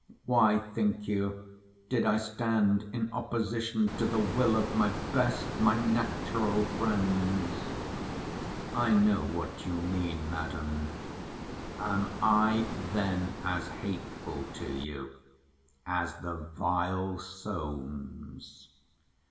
Why, think you, did I stand in opposition to the will of my best, my natural friends. I know what you mean, Madam—Am I then as hateful to you as the vile Solmes?